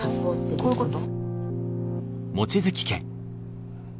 こういうこと？